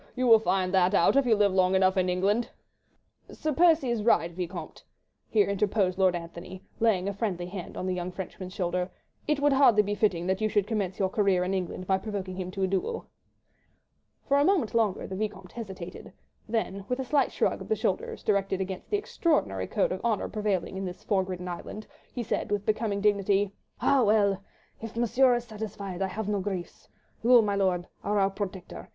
. You will find that out if you live long enough in England." "Sir Percy is in the right, Vicomte," here interposed Lord Antony, laying a friendly hand on the young Frenchman's shoulder. "It would hardly be fitting that you should commence your career in England by provoking him to a duel." For a moment longer the Vicomte hesitated, then with a slight shrug of the shoulders directed against the extraordinary code of honour prevailing in this fog ridden island, he said with becoming dignity,— "Ah, well! if Monsieur is satisfied, I have no griefs. You, mi'lor', are our protector.